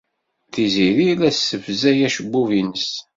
Tiziri la tessebzag acebbub-nnes.